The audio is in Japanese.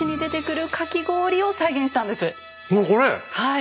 はい。